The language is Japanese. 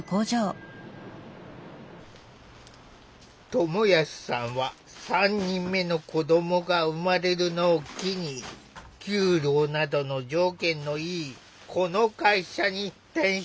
友康さんは３人目の子どもが生まれるのを機に給料などの条件のいいこの会社に転職した。